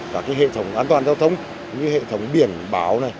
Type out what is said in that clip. cả cái hệ thống an toàn giao thông như hệ thống biển báo này